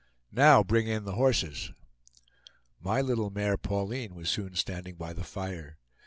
"Now, bring in the horses." My little mare Pauline was soon standing by the fire.